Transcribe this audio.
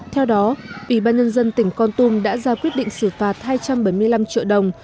theo đó ủy ban nhân dân tỉnh con tum đã ra quyết định xử phạt hai trăm bảy mươi năm triệu đồng